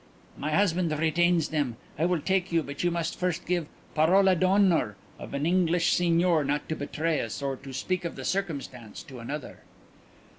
"My husband retains them. I will take you, but you must first give parola d'onore of an English Signor not to betray us, or to speak of the circumstance to another."